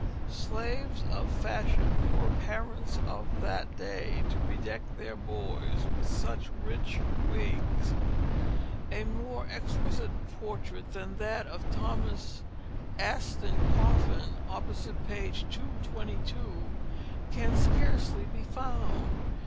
Slaves of fashion were parents of that day to bedeck their boys with such rich wigs. A more exquisite portrait than that of Thomas Aston Coffin, opposite page 222, can scarcely be found.